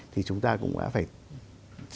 thì chúng ta cũng đã phải tự tìm ra những cái thông điệp